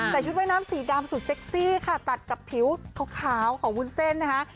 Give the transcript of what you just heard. ชุดว่ายน้ำสีดำสุดเซ็กซี่ค่ะตัดกับผิวขาวของวุ้นเส้นนะคะ